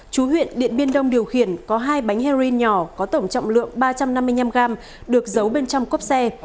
chú huyện điện biên đông điều khiển có hai bánh heroin nhỏ có tổng trọng lượng ba trăm năm mươi năm gram được giấu bên trong cốp xe